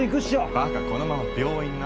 ばかこのまま病院な。